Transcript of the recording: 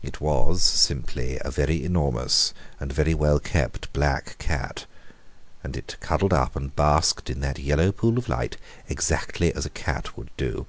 It was simply a very enormous and very well kept black cat, and it cuddled up and basked in that yellow pool of light exactly as a cat would do.